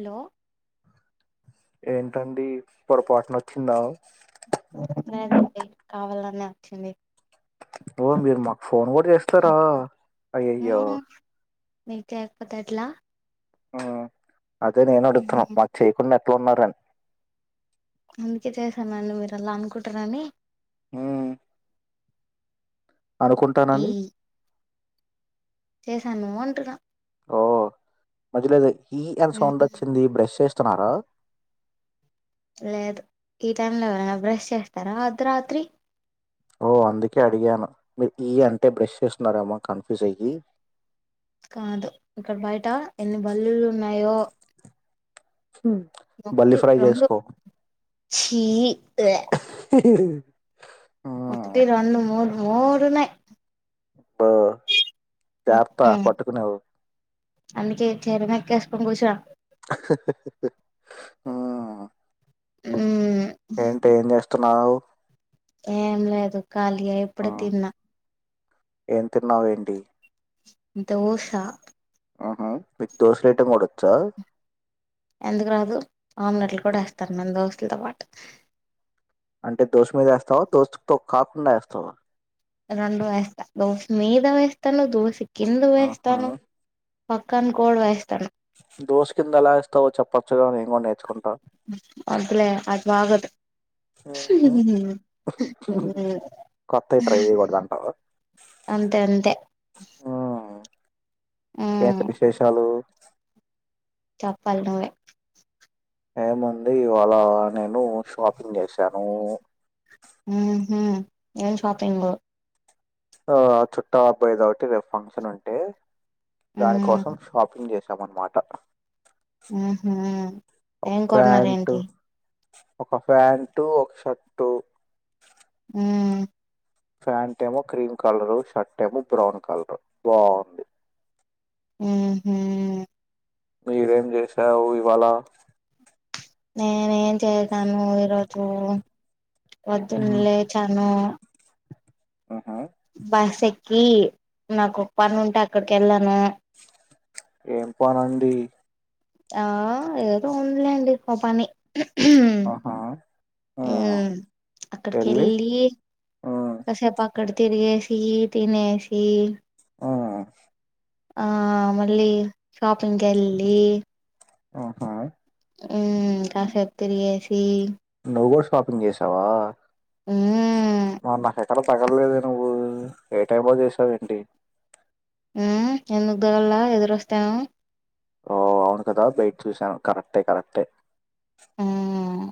Hello ఏంటండి పొరపాటున వచ్చిందా లేదండి కావాలని వచ్చింది ఓ మీరు మాకు ఫోన్ కూడా చేస్తారా అయ్యయ్యో మ్మ్ మీకు లేకపోతే ఎట్లా ఓ అదే నేను అడుతున్నాను మ్మ్ మాకు చేయకుండా తొన్నరన్ అందుకే చేసానండి మీరు అలా అనుకుంటారని ఊ అనుకుంటానని చేసానూ అంటున్నా ఓ మధ్యలోది హీ అండ్ సౌండ్ మ్మ్ వచ్చింది బ్రష్ చేస్ తున్నారా లేదు ఈ టైం లో ఎవరైనా బ్రష్ చేస్తారా అర్ధరాత్రి ఓ అందుకే అడిగాను మీరు ఈ అంటే బ్రష్ చేస్తున్నారేమ కన్ఫ్యూజ్ అయ్యి కాదు ఇక్కడ బయట ఎన్ని బల్లులు ఉన్నాయో బల్లి ఫ్రై చేసుకో ఈ ఒకటి ఉమ్ రెండు మూడు మూడున్నాయి ఆ జార్తా మ్మ్ పట్టుకునేవు అందుకే చర మకసుకు కూచు ఆ హ్మ్ ఏంటే ఏం చేస్త తున్నావు ఏం లేదు ఖాళీగా ఇప్పుడే ఉమ్ తిన్నా ఏం తిన్నావ్ ఏంటి దోశ ఆహ మీకు దోశ లేయటం కూడా వచ్చా ఎందుకు రాదు ఆమ్లెట్లు కూడా వేస్తాను మేన దోశలతో పాటు అంటే దోశ మీద వస్తావా దోశతో కాకుండా ఏస్తావా రెండు వేస్తా దోస మీద వేస్తాను దోసి కింద ఆహా వేస్తతాను పక్కను కూడ్ వేస్తాను దోశ కింద ఎలా ఇస్తావో చెప్పచ్చుకా నేను కూడా నేర్చుకుంటా వద్దులే అది బాగోదు కొత్తవి ట్రై చేయకూడదు అంటావా అంతే అంతే కేంటి మ్మ్ విశేషాలు చప్పాలి నువ్వే ఏముంది ఇవ్వాలా నేను షాపింగ్ చేసాను హ హ ఏం షాపింగు ఆ చుట్టాల అబ్బాయిది ఒకటి రేపు ఫంక్షన్ ఉంటే దాని మ్మ్ కోసం షాపింగ్ చేస్ చేశామన్నమాట ఊహూ ఒక ఏం ప్యాంట్ కొన్నారేంటి ఒక ప్యాంటు ఒక షర్టు మ్మ్ ప్యాంటేమో క్రీమ్ కలరు షర్ట్ ఏమో బ్రౌన్ కలరు బాగుంది ఊహూ మీరేం చేసావు ఇవాళ నేనేం చేశాను ఈరోజు పొద్దున ఉమ్ లేచాను ఆహా బస్సే కీ నాకు ఒక పని ఉంటే అక్కడికెళ్ళాను ఏం పనండి ఆ ఏదో ఉందిలేండి ఓ పని ఆహా ఆ ఊ అక్కడికి వెళ్ళి ఆ కాసేపు అక్ అక్కడ తిరిగేసి తినేేసి అవునా ఆ మళ్ళీ షాపింగ్ కెల్లి ఆహా ఊ కాసేపు తిరిగేసి నువ్వు కూడా షాపింగ్ చేసావా ఊ వాల్ల హే తగల్లేదే నువ్వు ఏ టైంలో చేసావేంటి ఊ ఎందుకుదగల్లా ఎదురొస్తేను ఓ అవును కదా బయట చూసాను కరెక్టే కరెక్టే మ్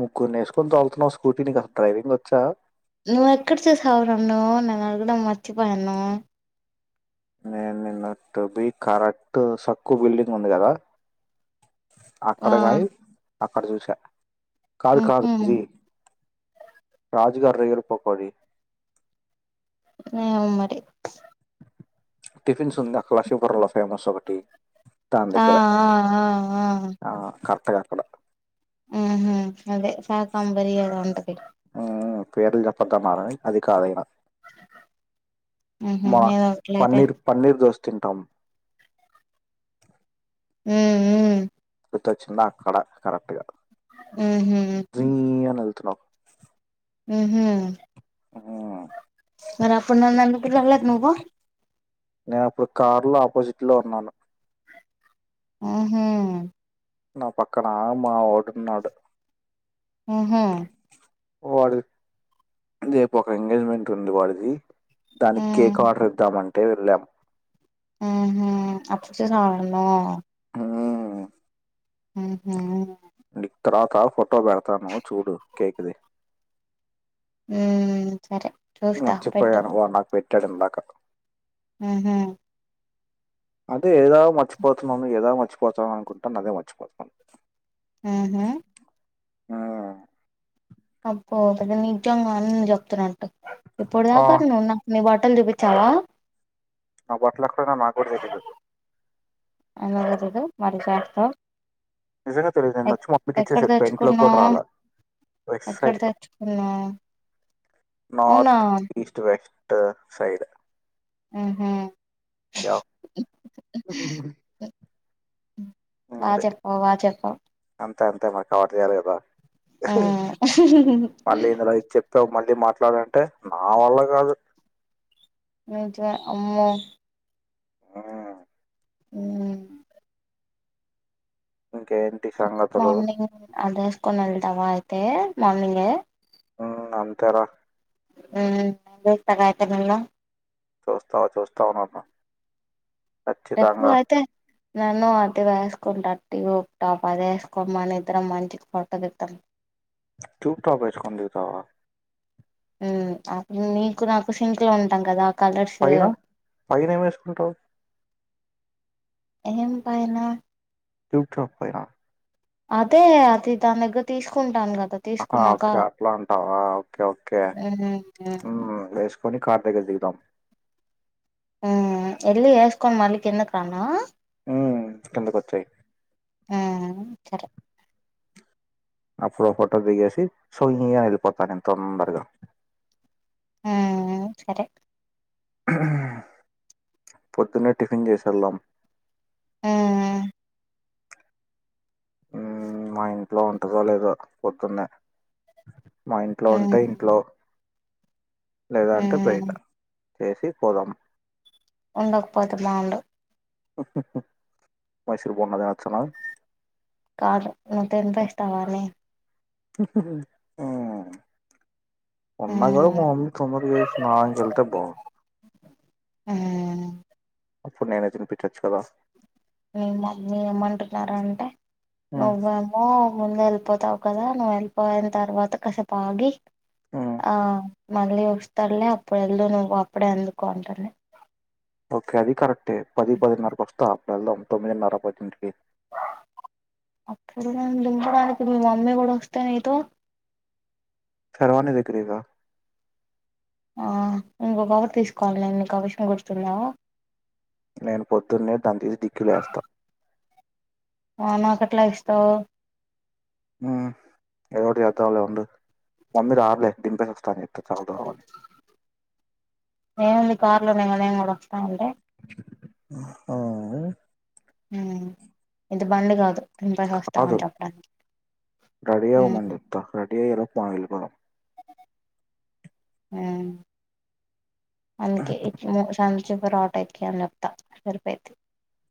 ముగ్గుర్నేసుకొని తోలుతున్నావు స్కూటి నీకు అసలు డ్రైవింగ్ వచ్చా నువ్ ఎక్కడ చూసావు నన్ను నేను అడగడం మర్చిపోయాను నేను నిన్న టు బి కరెక్ట్ సక్కు బిల్డింగ్ ఉంది కదా ఆ అక్కడ గాయి అక్కడ చూసా కాదు కాదు మ్హు జి దీస్ ఆర్ రేర్ పకోడీ ఏమో మరి టిఫిన్స్ ఉందా అక్కడ లక్ష్మిపురం లో మస్ ఒకటి దాని ఆ దగ్గర ఆ ఆ ఆ అక్కడ హ్మ్ హు అదే సాకాంబరిద ఉంటది మ్మ్ మ్మ్ పేర్లు చెప్పద్దు అన్నారా అది కాదే హ్మ్ హు మా ఏదో అట్లయితే పన్నీర్ పన్నీర్ దోశ తింటాం మ్మ్ మ్మ్ తెచ్చుకున అక్కడ కరెక్ట్గా ఆ పత్తన్నా ఉహ ఆ అర న నక రల నుకుో నేనప్పుడు కార్ లో ఆపోజిట్ లో ఉన్నాను ఆహా నా పక్కనమ్ మా డున్నాడు ఆహా వాడి రేపు ఒక ఎంగేజ్మెంట్ ఉంది వాడిది దానికి కేక్ ఉమ్ ఆర్డర్ ఇద్దామండి ట్టేవలం అప్పుతేే సమాడన ఆ ఆ హ తర్వాత ఫోటో పెడతాను చూడు కేక్ది ఆ నచ్చిపోయాను వా నాకు పెట్ డక ఆహ అదే ఏదో మర్చిపోతున్నాను ఏదా మర్చిపోతానును అనుకుంటాను అదే మర్చిపోతున్నాను ఆ హ ఆ అబ అది నిజంగా అని చెప్తున్నట్టు ఇప్పుడుదా ఆ కను నాకు న వా మొం ూపించావా మా బట్లాక్ష నా మాకుదదు అనగ తెదు మరి చేట్తో నిజంగా తెలీదు ఎ నేను వచ్చి మమ్మీకి ఎక్కడ ఇచ్చేసా ఇంట్లోకి కూడా తెచ్చుకున్నావు రాలా వెస్ట్ ఎక్కడ సైడ్ తెచ్చుకున్నా అవునా ఇ సైడ్ ఆహా యా అ వాాజప్ప వాజపా ంత మాకు కావర్ చేయాల కదా మళ్ళీ ఇందులో చెప్పావు మళ్ళీ వెళ్ళీ మాట్లాడంటే నా వల్ల కాదు నజన్ అమ్మో ఆ అ ఇంకేంటి నెట్ సంగతులు మార్నింగ్ అదేస్కనల్ దవా అయి తే మార్నింగ్ఏ ఉ అంతేర తకాయతే నిన్ను చుస్తా చూస్తావ్ నన్ను రప్పు ఖచ్చితంగా అయితే నన్ను అది వేసుకుంటారు ట్యూబ్ టాప్ అది వేసుకోమని ఇద్దరం మంచిగ ఫోటో దిద్దాం టూప్ టాప్ ఏసుకొని దిగుతవ నీకు నాకు శింక్ లో ఉంటాం కదా కలర్స్ పైనా పైన ఏమిసుకుంటావ్ ఎం పైనా ట్యూప్ టాప్ పైన అదే అతి దాని దగ్గర తీసుకుంటాను కద్ ఆ ఓకే అట్లా ఉంటావా ఓకే ఓకే మ్మ్ మ్మ్ మ్ వేసుకో కొని కార్ దగ్గర దిగుదాం ఉ ఎళ్ళి వేసుకొని మళ్ళికిందకు రానా ఉ కిందక వచ్చేయి ఆ సరే అప్పుడో ఫోటో దిగేసి సో యిని ఎళ్ళపోత తొందరగా ఆ సరే హు పొద్దున్నే టిఫిన్ చేసి వెళ్దాం ఆ ఆ మా ఇంట్లో ఉంటాదో లేదొ పొద్దున్నే మా ఇంట్లో ఆ ఉంటే ఇంట్లో లేదా ఆ అంటే బయట చేసి పోదాం ఉండకపోతే బాగుండు మైసూర్ బోండ తినొచ్చు అనా కాదు నువ్వు తినిపిస్తావని ఉమ్ ఆ ఉన్నా కూడా మా మమ్మీ తొందరగా చేసి స్నానానికి వెళ్తే బాగుండు ఆ అప్పుడు నేనే తినిపించచ్చు కదా మీ మమ్మీ ఏమి అంటున్నారు అంటే ఉమ్ నువ్వు ఏమో ముందు వెళ్ళిపోతావు కదా నువ్వు వెళ్ళిపోయిన తర్వాత కసేపు ఆగి ఉమ్ ఆ మళ్ళీ వస్తాడులే అప్పుడు ఎల్దువులే నువ్వు అప్పుడే ఎందుకు అంటుంది ఓకే అది కరెక్టే పది పదిన్నరకు వస్తా అప్పుడు వెళ్దాం తొమ్మిదిన్నర పతింటికి అప్పుడు నన్ను దింపడానికి మీ మమ్మీ కూడా వస్తే నీతో సరే వాణి దగ్గరికి రా ఆ ఇంకొ కవర్ తీసుకోవాలి నేను నీకు ఆ విషం గుర్తుందా నేను పొద్దున్నే దాన్ని తీసి డిక్కీలో ఏస్త ఆ నాకు ఎట్లా ఇస్తావు ఉ ఏదో ఒకటి చేద్దాం లే ఉండు మమ్మీ రాద్ లే దింపేసి వస్తా అని చాలా దూరం అని ఏంది కార్ లోనే కదా నేను కూడా వస్తా అంటే ఆ ఆ ఉ ఇది బండి కాదు దింపేసి వస్తా కాదు అని చెప్పడానికి రెడీ అవ్వు మనీ చెప్తా ఎ యియర్ వస్తె మనం వెళ్ళిపోదాం మ్మ్ అందుకే ఎట్లనో శాన్ చెప్ ర ఆటో ఎక్కి అని చెప్తా సరిపోయిద్ది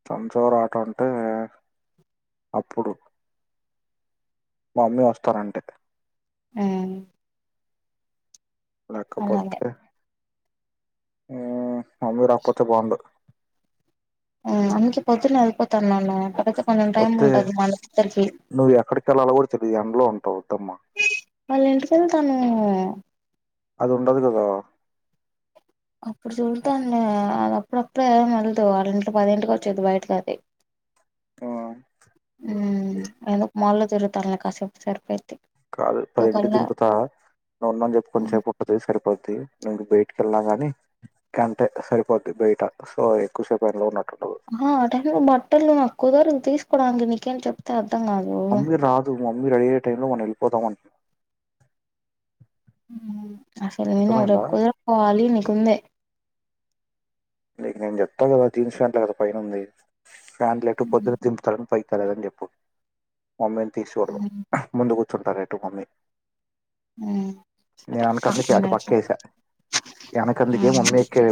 పంచారా ఆట అంటే అప్పుడు మమ్మీ వస్తారంటే మ్మ్ లేకపోతే మ్మ్ మమ్మీ రాకపోతే బాగుండు బుజ్జి పొద్దున్నే వెళ్ళిపోతా అన్నావ్ నాకీ అయితే కొంచం టైం వద్దే ఉంటాది మనద్దరికి నువ్వు ఎక్కడికి వెళ్ళాలో కూడా తెలియదు ఎండలో ఉంటావు వద్దమ్మా వాళ్లు ఇంటికి వెళ్తాను అది ఉండదు కదా అప్పుడు చూద్దాంలే అది అప్పుడప్పుడే వెళదు వాళ్ళ ఇంటిట్లో పది ఇంటికి వచ్చేది బయటకి అది హ్మ్ మ్మ్ ఎందుకు మాల్లో తిరుగుతాలే కాసేపు సరిపోయిద్ది కాదు టూ పది ఇంటి కల్లా దింపుతా నువ్వు ఉన్నాని చెప్పు కొని సేపు ఉంటుది సరిపోతు ది ను బయటికి వెళ్ళ గా కంటే సరిపోద్ది బయట సో ఎక్కువసేపు అలో ఉన్నట్ ఆహా అట బట్టలు తక్కువ దర తీసుకోవడానికి నీకేం చెప్తే ఆర్త్ ర్థం కాదు మమ్మీ రాదు మమ్మీ రెడీ అయ్యే టైమ్ లో మనం వెళ్ళిపోదామంటూన్ మ్మ్ అసలుగిన రేప్ కుదరకపోవాలి నీక్ కుందే నీకు నేను చెప్తా కదా జీన్స్ ఫంట్లే కదా పైన ఉంది ఫ్యాంట్లు ఎటు ఉమ్ పొద్దున దింపుతార్ అని పైక్ తలదని చెప్పు మమ్మీని తీసుకోడు ముందుకు ంట ర ఎ టటు మమ్మీ నేను వెనకందుకే అట కాకుండా పక్క వేసా వెనక అందుకే మమ్మీ ఎక్కే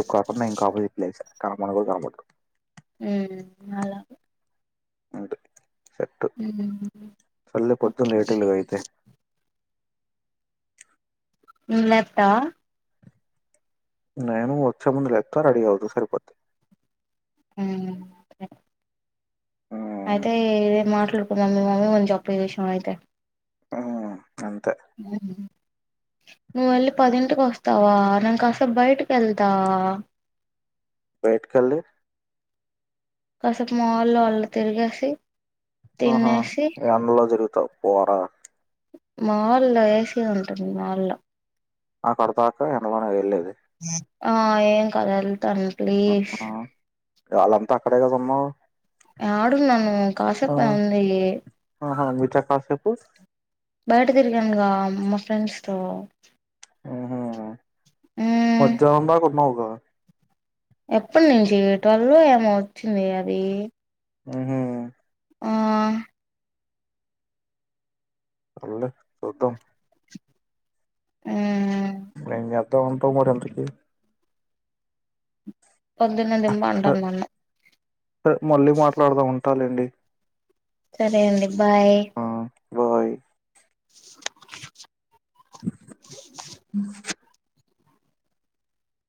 ఇంకాపోజిట్ చేశా కనపన్ కూడా కనిపెట్రు మ్మ్ అలా చెట్టు చల్ల పొద్దున్న రేటిలుగా అయితే మ్మ్ లేత్తా నేను వచ్చే ముందు లేత్త రెడీ అవుధువు సరిపోద్ది మ్మ్ సరే హ్మ్. అయితే ఏదం మాట్లాడుకుందాం మీ మమ్మీ కొంచం చెప్పే విషం అయితే ఆ [inaudible] నువ్వు వెళ్ళి పదింటికి వస్తావా నేన్ కాసేప్ బయటకి వెళ్తా బయటికి ఎల్లి కాసేపు మాల్లో ఆళ్ల తిరిగేసి హ్మ్ హు తినేసి ఇగ అందులో తిరుగుతావ్ పోర మాల్లో ఏ సీ ఉంటది మాల్లో ఆ కడుతుంటే నువ్వేనా ఎల్లేది కానీ ఎల్థానూ ప్లీజ్ వాళ్ళంతా అక్కడే కద ఉన్నావ్ ఆడున్నాను కాసేపు అంది ఉ బయట తిరగనుగా మా ఫ్రెండ్స్తో మ్మ్ హ్మ్ మద్యాహ్నం దాకా వున్నావ్ వ ఎప్పడు నుంచి ట్వెల్వ్ లో ఏమో వచ్చింది అది మ్మ్ హ్మ్ ఆహ్ సర్లే చూద్దాం మ్మ్ హు ఏం జె త్తావ్ అంటవు మరింతకి పొద్దున్న అ హ్హ్ దింపంటారు నన్ను త్ మళ్ళీ మాట్లాడుదమ్ ఉంటాలేండి సరే అండి బాయ్ ఆ బాయ్